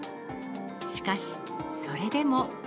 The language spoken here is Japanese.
しかし、それでも。